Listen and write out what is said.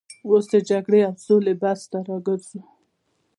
اوس د جګړې او سولې بحث ته راګرځو.